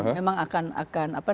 itu mungkin nanti ya